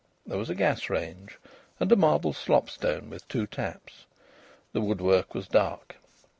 There was a gas range and a marble slopstone with two taps. The woodwork was dark.